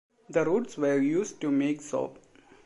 The roots were used to make soap.